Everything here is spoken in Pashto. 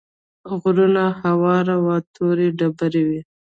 غرونه هوار وو تورې ډبرې وې.